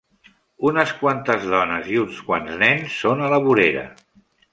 Unes quantes dones i uns quants nens són a la vorera.